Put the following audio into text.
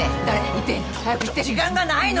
言って早く言って時間がないの！